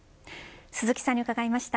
鈴木さんに伺いました。